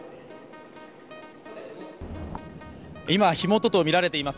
今、火元と見られています